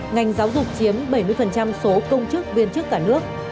ngành giáo dục chiếm bảy mươi số công chức viên chức cả nước